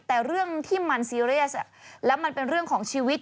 แต่เรื่องที่มันซีเรียสแล้วมันเป็นเรื่องของชีวิต